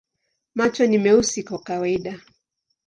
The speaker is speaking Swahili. Macho ni meusi kwa kawaida.